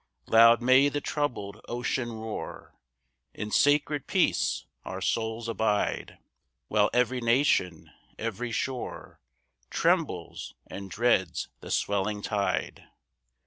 3 Loud may the troubled ocean roar, In sacred peace our souls abide, While every nation, every shore, Trembles, and dreads the swelling tide.